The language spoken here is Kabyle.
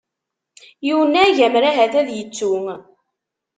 Yunag, ammer ahat ad yettu.